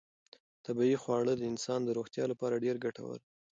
طبیعي خواړه د انسان د روغتیا لپاره ډېر ګټور دي.